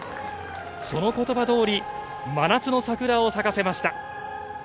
その言葉通り、真夏の桜を咲かせました。